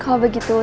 dia lagi ketawa